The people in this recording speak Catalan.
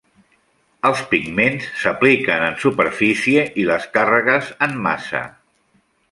Els pigments s'apliquen en superfície i les càrregues en massa.